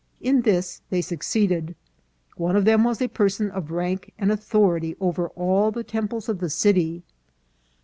In this they succeeded. One of them was a person of rank and authority over all the temples of the city.